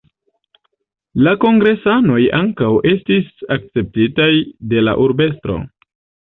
La kongresanoj ankaŭ estis akceptitaj de la urbestro.